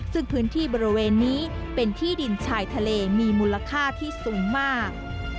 ซึ่งพื้นที่บริเวณนี้เป็นที่ดินชายทะเลมีมูลค่าที่สูงมาก